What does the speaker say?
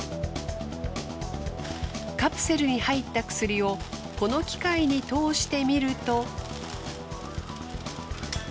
カプセルに入った薬をこの機械に通してみると。